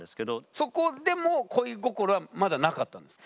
そこでも恋心はまだなかったんですか？